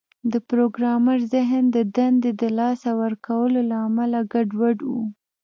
د پروګرامر ذهن د دندې د لاسه ورکولو له امله ګډوډ و